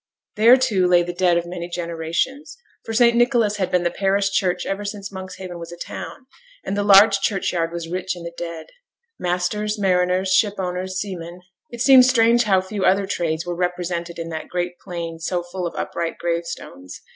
There, too, lay the dead of many generations; for St. Nicholas had been the parish church ever since Monkshaven was a town, and the large churchyard was rich in the dead. Masters, mariners, ship owners, seamen: it seemed strange how few other trades were represented in that great plain so full of upright gravestones.